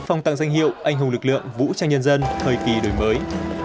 phong tặng danh hiệu anh hùng lực lượng vũ trang nhân dân thời kỳ đổi mới